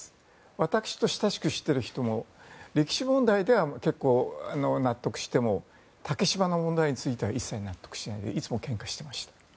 私と親しくしている人も歴史問題では結構、納得しても竹島の問題については一切納得しないでいつもけんかしていました。